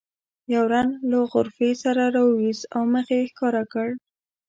یو رند له غرفې سر راوویست او مخ یې ښکاره کړ.